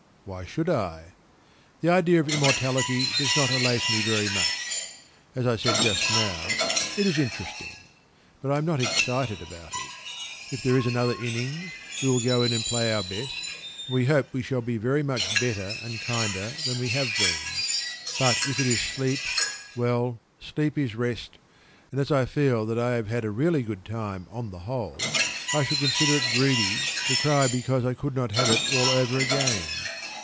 Why should I? The idea of immortality does not elate me very much. As I said just now, it is interesting. But I am not excited about it. If there is another innings, we will go in and play our best; and we hope we shall be very much better and kinder than we have been. But if it is sleep: well, sleep is rest, and as I feel that I have had a really good time, on the whole, I should consider it greedy to cry because I could not have it all over again.